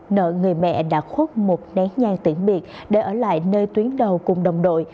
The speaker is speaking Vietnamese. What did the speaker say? nợ người mẹ đã khuất một nén nhang tiện biệt để ở lại nơi tuyến đầu cùng đồng đội